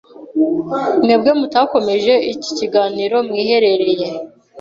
mwebwe mutakomeje iki kiganiro mwiherereye?